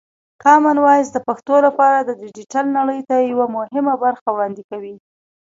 کامن وایس د پښتو لپاره د ډیجیټل نړۍ ته یوه مهمه برخه وړاندې کوي.